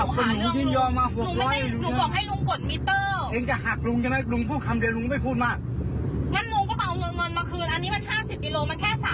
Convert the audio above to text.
เอาเงินค่ารถแล้วลุงโกลงไปทำไม